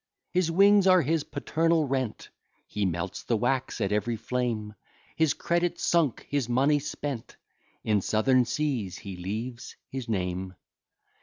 His wings are his paternal rent, He melts the wax at every flame; His credit sunk, his money spent, In Southern Seas he leaves his name.